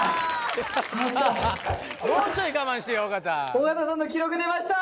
尾形さんの記録出ました！